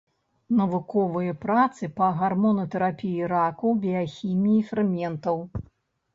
Навуковыя працы па гармонатэрапіі раку, біяхіміі ферментаў.